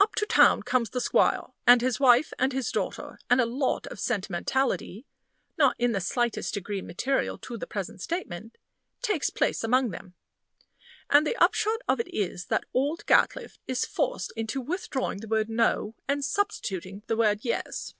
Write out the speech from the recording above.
Up to town comes the squire and his wife and his daughter, and a lot of sentimentality, not in the slightest degree material to the present statement, takes places among them; and the upshot of it is that old Gatliffe is forced into withdrawing the word No, and substituting the word Yes.